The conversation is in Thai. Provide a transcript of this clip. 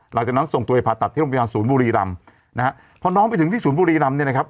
หลังจากนั้นส่งตัวไปผ่าตัดที่โรงพยาบาลศูนย์บุรีรำนะฮะพอน้องไปถึงที่ศูนย์บุรีรำเนี่ยนะครับ